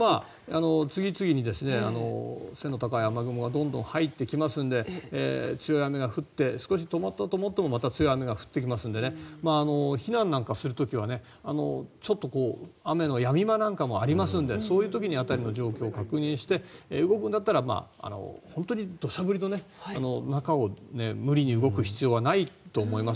次々に背の高い雨雲がどんどん入ってきますので強い雨が降って少し止まったと思ってもまた強い雨が降ってきますので避難する時はちょっと雨のやみ間なんかもありますのでそういう時に辺りの状況を確認して動くんだったら本当に、土砂降りの中を無理に動く必要はないと思います。